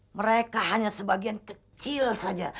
mereka hanya sebagian kecil saja